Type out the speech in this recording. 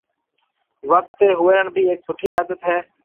وقت تي هويرڻ بي هيَڪ سُٺِي عادت هيَ۔